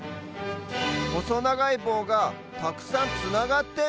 ほそながいぼうがたくさんつながってる？